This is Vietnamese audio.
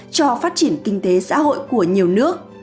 cho phát triển kinh tế xã hội của nhiều nước